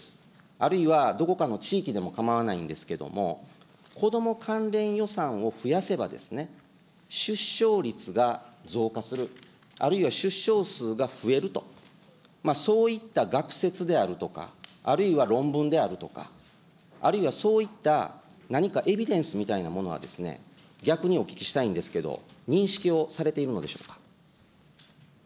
あるいは、どこかの地域でも構わないんですけども、こども関連予算を増やせばですね、出生率が増加する、あるいは、出生数が増えると、そういった学説であるとか、あるいは論文であるとか、あるいはそういった、何かエビデンスみたいなものは、逆にお聞きしたいんですけれども、認識をされているのでしょうか。